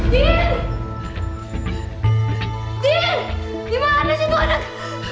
di mana sih tuh anak